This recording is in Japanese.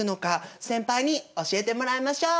先輩に教えてもらいましょう！